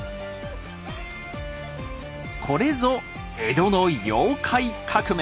これぞ江戸の「妖怪革命」。